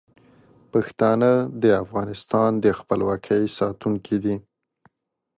پښتانه د افغانستان د خپلواکۍ ساتونکي دي.